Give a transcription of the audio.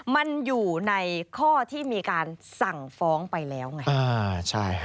มันอยู่ในข้อที่มีการสั่งฟ้องไปแล้วไง